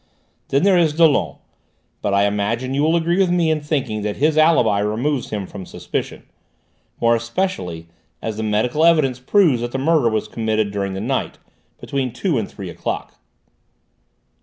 Then there is Dollon; but I imagine you will agree with me in thinking that his alibi removes him from suspicion more especially as the medical evidence proves that the murder was committed during the night, between two and three o'clock."